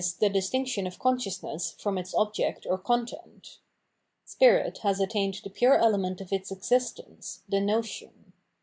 the distinction of consciousness from its object or content]. Spirit has attained the pure element of its existence, the notion.